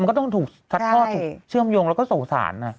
มันก็ต้องถูกซัดทอดถูกเชื่อมโยงแล้วก็สงสาร